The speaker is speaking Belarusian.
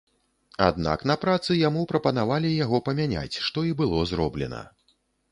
Аднак на працы яму прапанавалі яго памяняць, што і было зроблена.